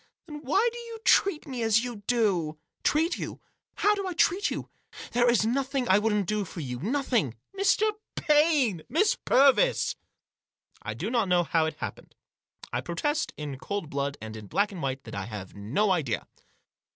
" Then, why do you treat me as you do ?" "Treat you! How dp I treat you? There is nothing I wouldn't do for you — nothing !"" Mr. Paine !"" Miss Purvis !" I do not know how it happened. I protest, in cold blood, and in black and white, that I have no idea.